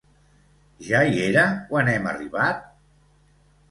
¿Ja hi era, quan hem arribat?